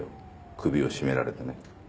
首を絞められてね。